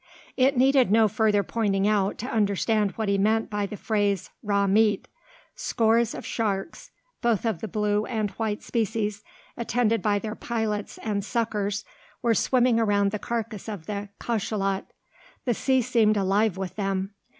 It needed no further pointing out to understand what he meant by the phrase "raw meat." Scores of sharks, both of the blue and white species, attended by their pilots and suckers, were swimming around the carcass of the cachalot. The sea seemed alive with them.